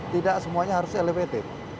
tidak semuanya harus elevated